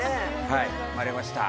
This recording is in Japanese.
はい生まれました